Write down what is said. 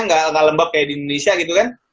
nggak lembab kayak di indonesia gitu kan